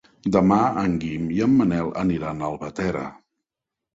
Demà en Guim i en Manel aniran a Albatera.